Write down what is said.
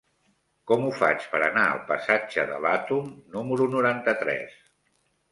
Com ho faig per anar al passatge de l'Àtom número noranta-tres?